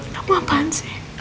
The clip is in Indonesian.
kamu ngapain sih